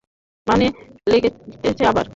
মানে লাগতেছে আবার?